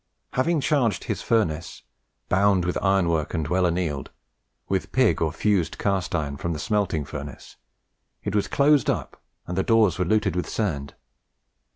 Having charged his furnace ("bound with iron work and well annealed") with pig or fused cast iron from the smelting furnace, it was closed up and the doors were luted with sand.